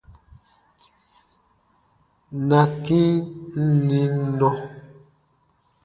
Na kĩ n nim nɔ.